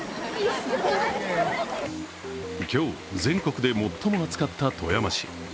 今日、全国で最も暑かった富山市。